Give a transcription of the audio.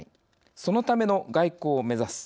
そのための外交を目指す」